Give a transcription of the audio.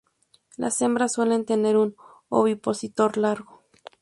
Las hembras suelen tener un ovipositor largo.